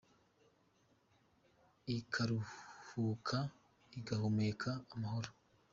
Ikaruhuka igahumeka amahoro.